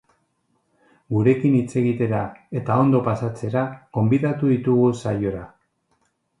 Gurekin hitz egitera eta ondo pasatzera gonbidatu ditugu saiora.